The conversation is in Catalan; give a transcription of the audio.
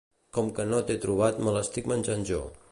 Com que no t'he trobat me l'estic menjant jo